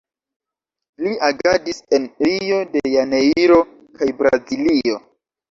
Li agadis en Rio de Janeiro kaj Braziljo.